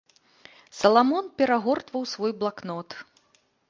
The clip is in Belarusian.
Саламон перагортваў свой блакнот.